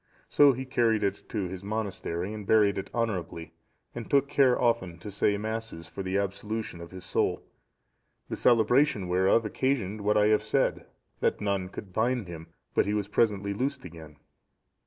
So he carried it to his monastery, and buried it honourably, and took care often to say Masses for the absolution of his soul; the celebration whereof occasioned what I have said, that none could bind him but he was presently loosed again.